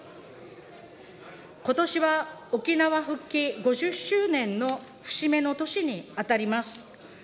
ことしは、沖縄復帰５０周年の節目の年に当たります。